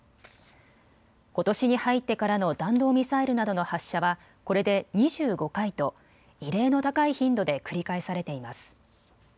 ことしに入ってからの弾道ミサイルなどの発射はこれで２５回と異例の高い頻度で繰り返されています。